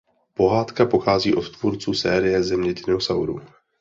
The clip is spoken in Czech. Pohádka pochází od tvůrců série "Země dinosaurů".